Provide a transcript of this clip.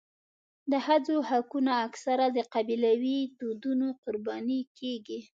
د ښځو حقونه اکثره د قبیلوي دودونو قرباني کېږي.